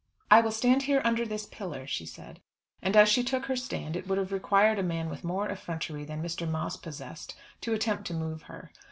"I will stand here under this pillar," she said. And as she took her stand it would have required a man with more effrontery than Mr. Moss possessed, to attempt to move her.